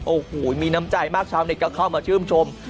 โอ้โหมีน้ำจ่ายมากชาวนี้เขาเข้ามาชื่นชม